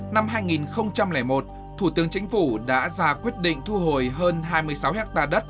năm hai nghìn một thủ tướng chính phủ đã ra quyết định thu hồi hơn hai mươi sáu ha đất